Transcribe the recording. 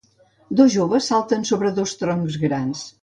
Dos joves salten sobre dos troncs grans.